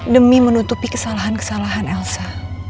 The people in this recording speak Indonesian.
demi menutupi kesalahan kesalahan elsa